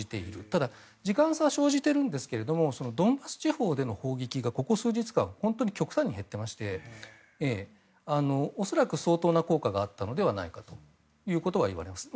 ただ、時間差は生じてるんですけどもドンバス地方での砲撃がここ数日間本当に極端に減っていまして恐らく、相当な効果があったのではないかということはいわれます。